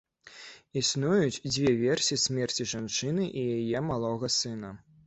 Існуюць дзве версіі смерці жанчыны і яе малога сына.